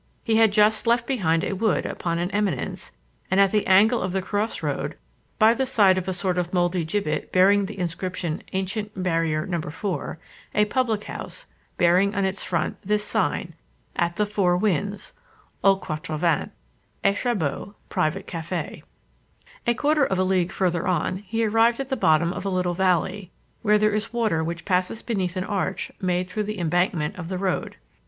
He had just left behind a wood upon an eminence; and at the angle of the crossroad, by the side of a sort of mouldy gibbet bearing the inscription Ancient Barrier No. 4, a public house, bearing on its front this sign: At the Four Winds (Aux Quatre Vents). Échabeau, Private Café. A quarter of a league further on, he arrived at the bottom of a little valley, where there is water which passes beneath an arch made through the embankment of the road.